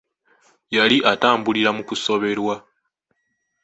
Yali atambulira mu kusoberwa.